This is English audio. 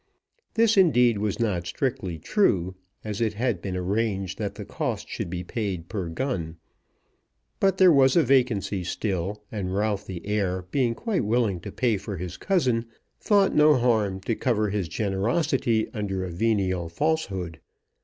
This indeed was not strictly true, as it had been arranged that the cost should be paid per gun; but there was a vacancy still, and Ralph the heir, being quite willing to pay for his cousin, thought no harm to cover his generosity under a venial falsehood.